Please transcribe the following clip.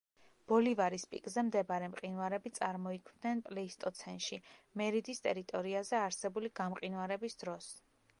ბოლივარის პიკზე მდებარე მყინვარები წარმოიქმნენ პლეისტოცენში, მერიდის ტერიტორიაზე არსებული გამყინვარების დროს.